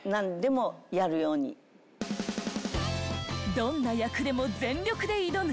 どんな役でも全力で挑む。